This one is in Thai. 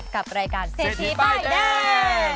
กับรายการเศรษฐีป้ายแดง